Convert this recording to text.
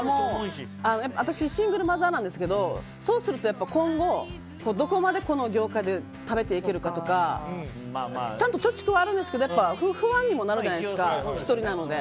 私、シングルマザーなんですけどそうすると今後どこまでこの業界で食べていけるかとかちゃんと貯蓄はあるんですけど不安にもなるじゃないですか１人なので。